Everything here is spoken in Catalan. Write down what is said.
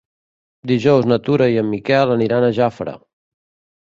Dijous na Tura i en Miquel aniran a Jafre.